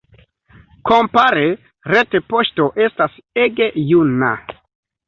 Kompare, retpoŝto estas ege juna.